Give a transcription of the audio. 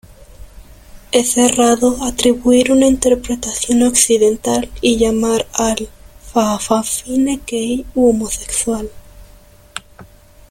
Es errado atribuir una interpretación occidental y llamar al fa’afafine ‘gay’ u homosexual.